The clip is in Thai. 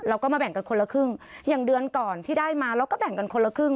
เราก็มาแบ่งกันคนละครึ่งอย่างเดือนก่อนที่ได้มาเราก็แบ่งกันคนละครึ่ง